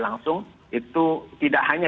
langsung itu tidak hanya